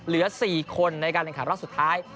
หรือที่เหลือ๔คนแต่รถสุดท้าย